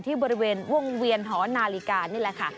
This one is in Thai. ที่บริเวณวงเวียนหอนาฬิกานี่แหละค่ะ